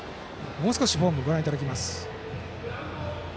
もう少しフォームをご覧いただきます。